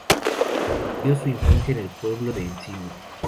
Vivió su infancia en el pueblo de Encino.